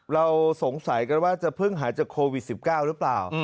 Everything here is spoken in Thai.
เราสงสัยกันว่าจะเพิ่งหายจากโควิด๑๙หรือเปล่า